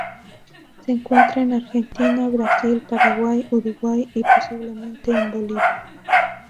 Se encuentra en Argentina, Brasil, Paraguay, Uruguay y, posiblemente, en Bolivia.